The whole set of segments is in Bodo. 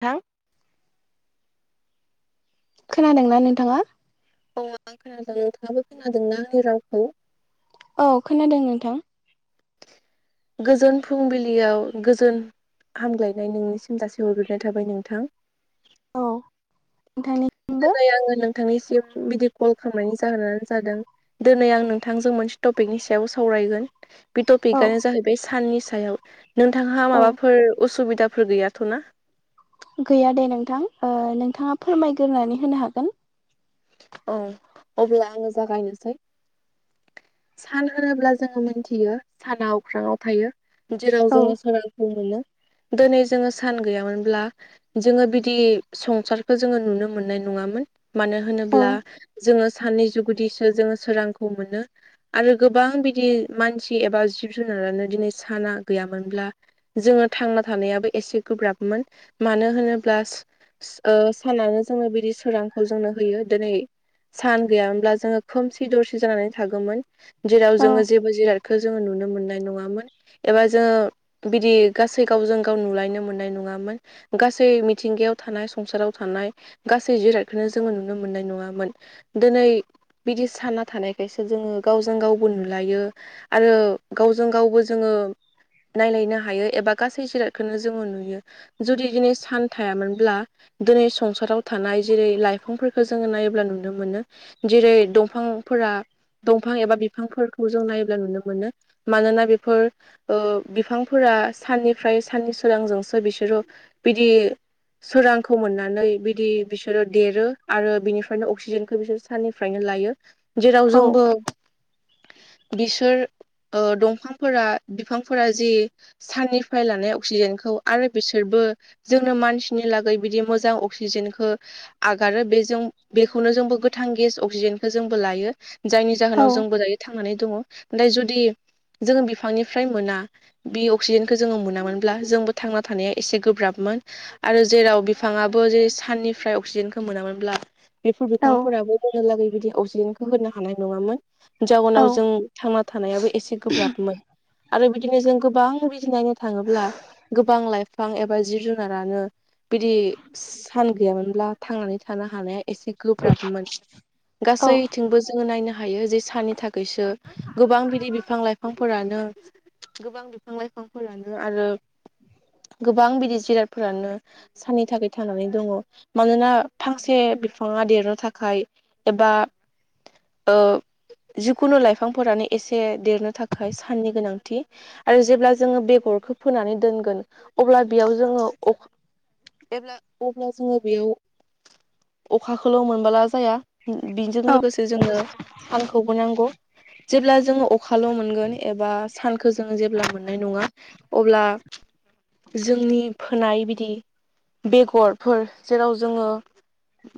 थां खोनादोंना नोंथाङा [unintelligible] औ खोनादों नोंथां गोजोन फुंबिलियाव गोजोन हामग्लायनाय नोंनिसिम जासि हरग्रोननाय थाबाय नोंथां औ नोंथांनि दिनै आङो नोंथांनिसिम बिदि कल खालामनायनि जाहोनानो जादों दोनै आं नोंथांजों मोनसे टपिकनि सायाव सावरायगोन बे औ टपिकआनो जाहैबाय साननि सायाव नोंथांहा औ माबाफोर असुबिदाफोर गैयाथ'ना गैया दे नोंथां ओ नोंथाङा फोरमायग्रोनानै होनो हागोन औ अब्ला आङो जागायनोसै सान होनोब्ला जोङो मोनथियो साना अख्राङाव थायो जेराव औ जोङो सोरां बो मोनो दिनै जोङो सान गैयामोनब्ला जोङो बिदि संसारखौ जोङो नुनो मोननाय नङामोन मानो हो औ ब्ला जोङो साननि जुगुदिसो जोङो सोरांखौ मोनो आरो गोबां बिदि मानसि एबा जिब जुनारानो दिनै साना गैयामोनब्ला जोङो थांना थानायाबो एसे गोब्राबमोन मानो होनोब्ला सानानो जोंनो बिदि सोरांखौ जोंनो होयो दिनै सान गैयामोनब्ला जोङो खोमसि दरसि जानानै थागौोन जेराव औ जोङो जे जिरादखौ जोङो नुनो मोननाय नङामोन एबा जोङो बिदि गासै गावजों गाव नुलायनो मोननाय नङामोन गासै मिथिंगायाव थानाय संसाराव थानाय गासै जिरायखौनो जोङो नुनो मोननाय नङामोन दिनै बिदि साना थानायखायसो जोङो गावजों गावबो नुलायो आरो गावजों गावबो जोङो नायलायनो हायो एबा गासै जिरादखौनो जोङो नुयो जुदि दिनै सान थायामोनब्ला दिनै संसाराव थानाय जेरै लाइफां जोङो नायोब्ला नुनो मोनो जेरै दंफांफोरा दंफां एबा बिफांफोरखौ जों नायोब्ला नुनो मोनो मानोना बेफोर बिफांफोरा साननिफ्राय साननि सोरांजोंसो बिसोरो बिदि सोरांखौ मोननानै बिदि बिसोरो देरो आरो बिनिफ्रायनो अक्सिजेनखौ बिसोर साननिफ्रायनो लायो जेराव औ जोंबो बिसोर दंफांफोरा बिफांफोरा जि साननिफ्राय लानाय अक्सिजेनखौ आरो बिसोरबो जोंनो मानसिनि लागै बिदि मोजां अक्सिजेनखौ आगारो बे ज बेनो जों गोथां गेस अक्सिजेनखौ जोंबो लायो जायनि औ जाहोनाव जोंबोरै थांनानै दङ नाथाय जुदि जोङो बिफांनिफ्राय मोना बि अक्सिजेनखौ जोङो मोनामोनब्ला जोंबो थांना थानाया एसे गोब्राबमोन आरो जेराव बिफाङआो जे साननिफ्राय अक्सिजेनखौ मोनामोनब्ला बेफोर औ बिफांफोराबो दोलागै बिदि अक्सिजेनखौ होनो हानाय नङामोन जाउनाव जों थांना थानायाबो एसे गोब्राबमोन आरो बिदिनो जों गोबां बिदि नायनो थाङोब्ला गोबां लाइफां एबा जिब जुन जुनारानो बिदि सान गैयामोनब्ला थांनानै थानो हानाया एसे गोब्राबमोन औ गासैथिंबो जोङो नायनो हायो हायो जे सनि थाखायसो गोबां बिदि बिफां लाइफांफोरानो गोबां बिफां लाइफांफोरानो आरो गोबां बिदि जिरादफोरानो साननि थाखाय थांनानै दङ मानोना फांसे से बिफाङा देरनो थाखाय एबा ओ जिखुनु लाइफांफोरानो एसे देरनो थाखाय साननि गोनांथि आरो जेब्ला जोङो बेगरखौ फोनानै दोनगोन अब्ला बेयाव जोङो अखा अब्ला अब्ला जोङो बेयाव अखाखौल' मोनबोला जाया बिजों औ लोगोसे जोङो सानखौबो नांगौ जेब्ला जोङो अखाल' मोनगोन एबा सानखौ जोङो जेब्ला मोननाय नङा अब्ला जोंनि फोनाय बिदि बेगरफोर जेराव जोङो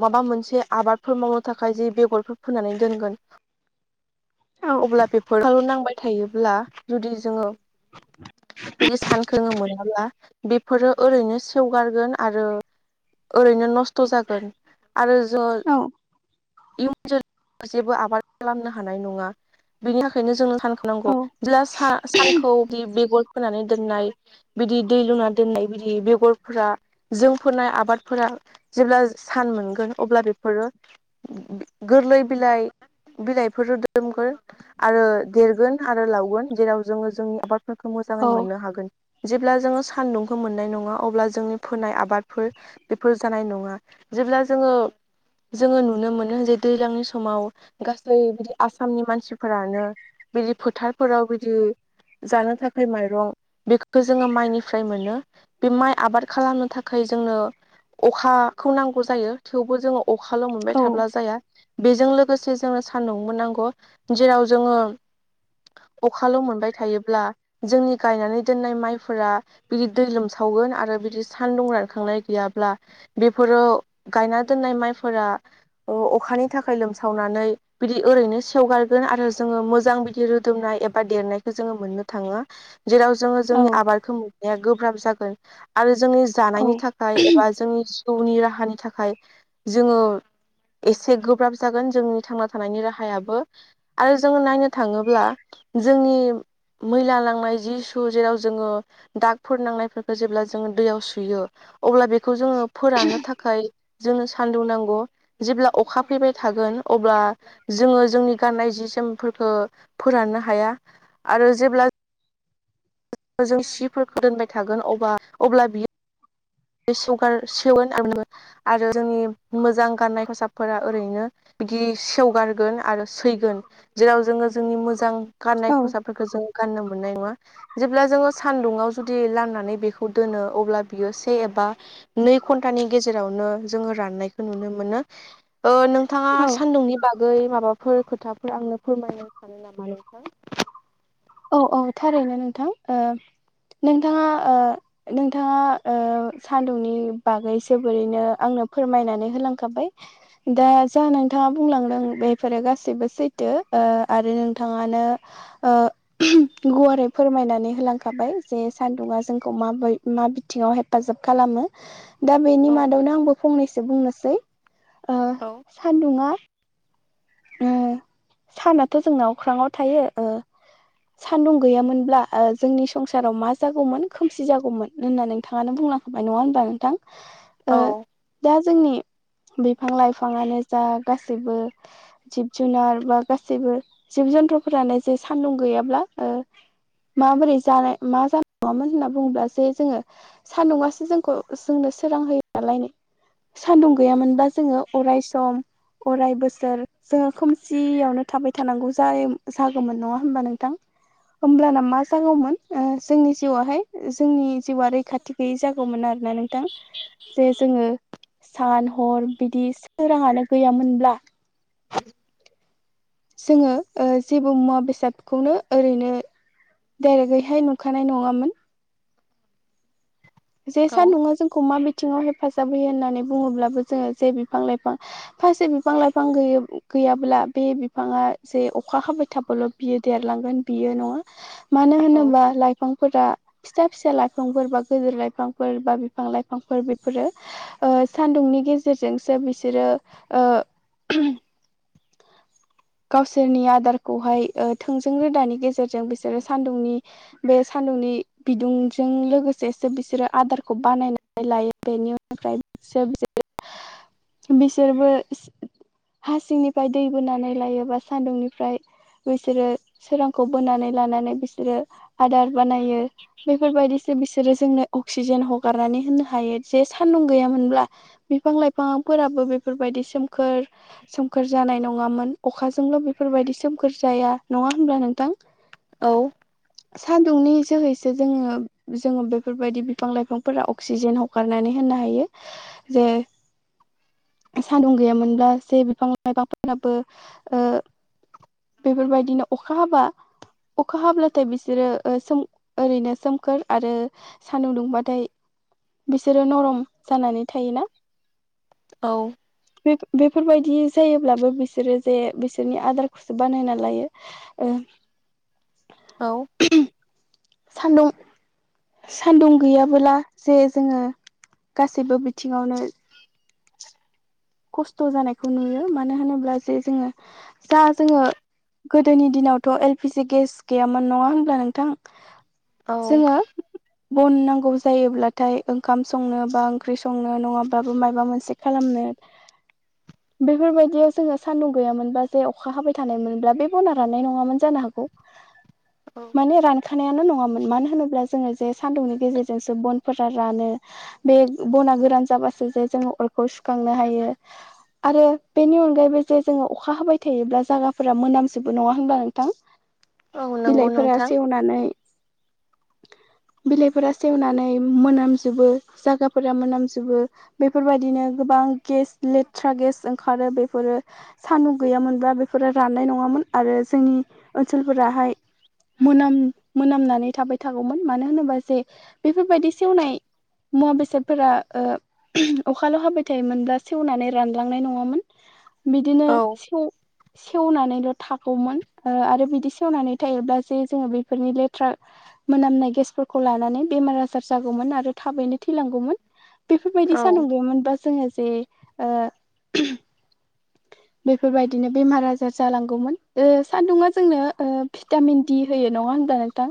माबा मोनसे आबादफोर मावनो थाखाय जि बेगरफोर फोनानै दोनगोन अब्ला बेफोरल' नांबाय थायोब्ला जुदि जोङो [unintelligible] बिदि सानखोङो मोनाब्ला बेफोरो ओरैनो सेवगारगोन आरो ओरैनो नस्थ' जागोन आरो जों औ इयुन जोलै जेबो आबाद खालामनो हानाय नङा बिनि थाखायनो जोंनो सानखौ नांगौ औ बिदिब्ला सा सानखौ बे बेगर फोनानै दोननाय बिदि दै लुना दोननाय बिदि बेगरफोरा जोंफोरनाय आबादफोरा जेब्ला सान मोनगोन अब्ला बेफोरो गोरलै बिलाइ बिलाइफोर दोरोमगोन आरो देरगोन आरो लावगोन जेराव जोङो जोंनि आबाद फोरखौ मोजाङै मोननो हागोन जेब्ला जोङो सानदुंखौ मोननाय नङा अब्ला जोंनि फोनाय आबादफोर बेफोर जानाय नङा जेब्ला जोङो जोङो नुनो मोनो जे दैज्लांनि समाव गासै बिदि आसामनि मानसिफोरानो बिदि फोथारफोराव बिदि जानो थाखाय माइरं बेख जोङो माइनिफ्राय मोनो बे माइ आबाद खालामनो थाखाय जोंनो अखा खौ नांगौ जायो थेवबो जोङो अखाल' मोनबाय थाब्ला जाया बेजों लोगोसे जोंनो सान्दुंबो नांगौ जेराव जोङो अखाल' मोनबाय थायोब्ला जोंनि गायनानै दोननाय माइफोरा बिदि दै लोमसावगोन आरो बिदि सानदुं रानखांनाय गैयाब्ला बेफोराव गायना दोननाय माइफोरा अखानि थाखाय लोमसावनानै बिदि ओरैनो सेवगारगोन आरो जोङो मोजां बिदि रोदोमनाय एबा देरनायखौ जोङो मोननो थाङो जेराव जोङो जोंनि आबादखौ मोननाया गोब्राब जागोन आरो जोंनि जानायनि थाखाय एबा जोंनि जिउनि राहानि थाखाय जोङो एसे गोब्राब जागोन जोंनि थांना थानायनि राहायाबो आरो जोङो नायनो थाङोब्ला जोंनि मैला लांनाय जि सु जेराव जोङो दागफोर नांनायफोरखौ जेब्ला जोङो दैयाव सुयो अब्ला बेखौ जोङो फोराननो थाखाय जोंनो सान्दुं नांगौ जेब्ला अखा फैबाय थागोन अब्ला जोङो जोंनि गाननाय जि जोमफोरखो फोराननो हाया आरो जेब्ला जों सिफोरखौ दोनबाय थागोन अब्ला अब्ला बियो बे [inaudible] सेवगोन आरो आरो जोंनि मोजां गाननाय खसाबफोरा ओरैनो बिदि सेवगारगोन आरो सैगोन जेराव जोङो जोंनि मोजां गाननाय औ खसाब फोरख जों गाननो मोननाय नङा जेब्ला जोङो सानदुुंवाव जुदि लामनानै बेखौ दोनो अब्ला बियो से एबा नै घन्टानि गेजेरावनो जोङो राननायखौ नुनो मोनो नोंथाङा औ सान्दुंनि बागै माबाफोर खोथाफोर आंनो फोरमायनो सानो नामा नोंथां औ औ थारैनो नोंथां नोंथाङा नोंथाङा सान्दुंनि बागै जोबोरैनो आंनो फोरमायनानै होलांखाबाय दा जा नोंथाङा बुंलांदों बेफोरो गासैबो सैथो ओ आरो नोंथाङानो ओ गुवारै फोरमायनानै होलांखाबाय जे सान्दुङा जोंखौ माबा मा बिथिङाव हेफाजाब खालामो [inaudible] दा बेनि औ मादावनो आंबो फंनैसो बुंनोसै ओ औ सान्दुङा ओ सानाथ' जोंनाव अख्राङाव थायो ओ सान्दुं गैयामोनब्ला ओ जोंनि संसाराव मा जागौमोन खोमसि जागौमोन होनना नोंथाङानो बुंना नङा होनबा नोंथां औ ओ दा जोंनि बिफां लाइफाङानो जा गासैबो जिब जुनार बा गासैबो जिब जन्थुफोरानो जे सान्दुं गैयाब्ला ओ माबोरै जानाय मा जानाय नङामोन होनना बुङोब्लासो जोङो सान्दुंङासो जोंखौ जोंनो सोरां होयो नालायनो सान्दुं गैयामोनबा जोङो अराय सम अराय बोसोर जोङो खोमसियावनो थाबाय थानांगौ जायो जागौमोन नङा होमबा नोंथां होमब्लाना मा जागौमोन ओ जोंनि जिउआवहाय जोंनि जिउआ रैखाथि गैयै जागौमोन आरोना नोंथां जे जोङो सान हर बिदि सोराङानो गैयामोनब्ला जोङो ओ जेबो मुवा बेसादखौनो ओरैनो डाइरेक्टयैहाय नुखानाय नङामोन जे सानदुङा जोंखौ मा बिथिङाव हेफाजाब होयो होननानै बुङोब्लाबो जोङो जे बिफां लाइफां फांसे बिफां लाइफां गै गैयाब्ला बे बिफाङा जे अखा हाबाय थाबल' बियो देरलांगोन बियो नङा मानो औ होनोबा लाइफांफोरा फिसा फिसा लाइफांफोरबा गोदोर फाइ बिफांफोर बा बिफां लाइफांफोर बेफोरो ओ सान्दुंनि गेजेरजोंसो बिसोरो ओ गावसोरनि आदारखौहाय ओ थोंजों रोदानि गेजेरजों बिसोरो सान्दुंनि बे सान्दुंनि बिदुंजों लोगोसेसो बिसोरो आदारखौ बानायनानै लायो बेनि उनफ्राय [inaudible] बिसोरबो हासिंनिफ्राय दै बोनानै लायोबा सान्दुंनिफ्राय बैसोरो सोरांखौ बोनानै लानानै बिसोरो आदार बानायो बेफोरबायदिसो बिसोरो जोंनो अक्सिजेन हगारनानै होनो हायो जे सान्दुं गैयामोनब्ला बिफां लाइफांफोराबो बेफोरबायदि सोमखोर सोमखोर जानाय नङामोन अखाजोंल' बेफोरबायदि सोमखोर जाया नङा होनब्ला नोंथां। औ। सान्दुंनि जोहैसो जोङो जोङो बे बेफोरबायदि बिफां लाइफांफोरा अक्सिजेन हगारनानै होनो हायो जे सदुं गैयामोनब्ला जे बिफां लाइफाफोरनाबो बेफोरबायदिनो अखा हाबा अखा हाब्लाथाय बिसोरोम ओरैनो सोमखोर आरो सानदुं दुंबाथाय बिसोरो नरम जानानै थायोना। औ। बे बेफोर बायदि जायोब्लाबो बिसोरो जे बिसोरनि आदारखौसो बानायना लायो। ओ औ। [inaudible] सान्दुं सान्दुं गैयाबोला जे जोङो गासैबो बिथिङावनो खस्थ' जानायखौ नुयो मानो होनोब्ला जे जोङो जा जोङो गोदोनि दिनावथ' एल पि जि गेस गैयामोन नङा होनब्ला नोंथां। जोङो बन नांगौ जायोब्लाथाय ओंखाम संनो बा ओंख्रि संनो नङाब्लाबो माबा मोनसे खालामनो बेफोरबायदियाव जोङो सान्दुं गैयामोनबा जे अखा हाबाय थानाय मोनब्ला बे बना राननाय नङामोन जानो हागौ। औ। माने रानखानायानो नङामोन मानो होनोब्ला जोङो जे सान्दुंनि गेजेरजोंसो बनफोरा रानो बे बना गोरान जाबासो जे जोङो अरखौ सुखांनो हायो। आरो बेनि अनगायैबो जे जोङो अखा हाबाय थायोब्ला जायगाफोरा मोनामजोबो नङा होमब्ला नोंथां। औ नंगौ बिलाइफोरा नोंथां सेवनानै [inaudible] बिलाइफोरा सेवनानै मोनामजोबो जागाफोरा मोनामजोबो बेफोरबायदिनो गोबां गेस लेथ्रा गेस ओंखारो बेफोरो सानदु गैयामोनब्लाा बेफोरो राननाय नङामोन आरो जोंनि ओनसोलफोराहाय मोनाम मोनामनानै थाबाय थागौमोन मानो होनोबा जे बेफोरबायदि सेवनाय मुवा बेसादफोरा अखाल' हाबाय फिथाइ मोनब्ला सेवनानै रानलांनाय नङामोन औ बिदिनो सेव सेवनानैल' थागौमोन आरो बिदि सेवनानै थायोब्ला जे जोङो बेफोरनि लेथ्रा मोनामनाय गेसफोरखौ लानानै बेमार आजार जागौमोन आरो थाबैनो थैलांगौमोन। बेफोरबायदि औ सान्दुं दमोनबा जोङो जे [inaudible] बेफोरबायदिनो बेमार आजार जालांगौमोन सान्दुङा जोंनो भिटामिन होयो नङा होमब्ला?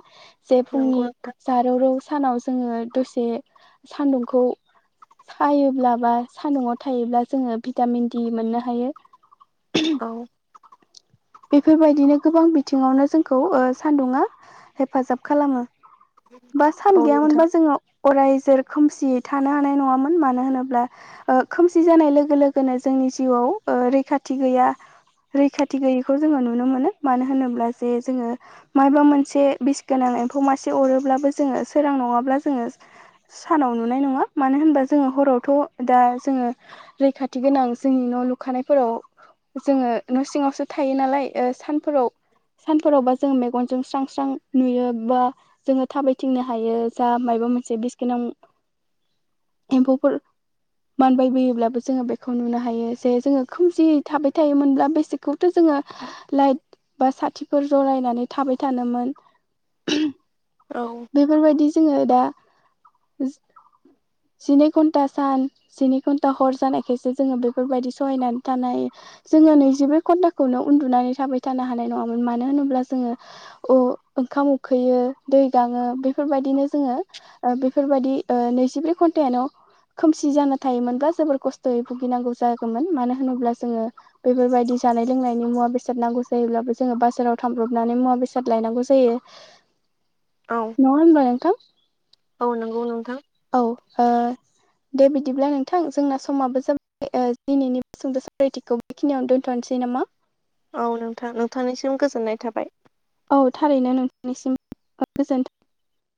जे फुंनि नंगौ नोंथां जारौ रौ सानाव जोङो दसे सान्दुंखौ सायोब्लाबा सान्दुआव थायोब्ला जोङो भिटामिन दि मोननो हायो औ बेफोरबायदिनो गोबां बिथिङावनो जोंखौ सान्दुङा हेफाजाब खालामो बा सान औ नोंथां गैयामोनबा जोङो अराय ज खोमसियै थानो हानाय नङामोन मानो होनोब्ला खोमसि जानाय लोगो लोगोनो जोंनि जिउआव रैखाथि गैया रैखाथि गैयै बेखौ जोङो नुनो मोनो मानो होनोब्ला जे जोङो माबाबा मोनसे बिस गोनां एम्फौ मासे अरोब्लाबो जोङो सोरां नङाब्ला जोङो सानाव नुनाय नङा मानो होनबा जोङो हरावथ' दा जोङो रैखाथि गोनां जोंनि न' लुखानायफोराव जोङो न' सिङावसो थायो नालाय सानफोराव सानफोरावबा जों मेगनजों स्रां स्रां नुयो बा जोङो थाबायथिंनो हायो जा मबा मोनसे बिस गोनां एम्फौफोर मानबायबोयोब्लाबो जोङो बेखौ नुनो हायो जे जोङो खोमसि थाबाय थायोमोनब्ला बेसेखौ थ' जोङो लाइट बा साथिफोर जरायनानै थाबाय थानोमोन औ बेफोरबायदि जोङो दा जिनै घन्टा सान स्नि घन्टा हर जानायखायसो जोङो बेफोरबायदि सहायनानै थानो हायो जोङो नैजिब्रै घटा खौनो उन्दुनानै थाबाय थानो हानाय नङामोन मानो होनोब्ला जोङो ओंखाम उखैयो दै गाङो बेफोरबायदिनो जोङो बेफोरबायदि नैजिब्रै घन्टानो खोमसि जाना थायोमोनबा जोबोर खस्थ'यै भुगिनांगौ जागौमोन मानो होनोब्ला जोङो बेफोरबायदि जानाय लोंनायनि मुवा बेसाद नांगौ जायोब्लाबो जोङो बाजाराव थांब्रबनानै मुवा बेसाद लायनांगौ जायो औ नङा होनबा नोंथां औ नंगौ नोंथां औ दे बिदिब्ला नोंथां जोंना समाबो जाबाय दिनैनिबो सुंद' सरायथिखौ बेखिनियावनो दोनथ'नोसै नामा औ नोंथां नोंथांनिसिम गोजोननाय थाबाय औ थारैनो नोंथांनिसिम गोजोनथों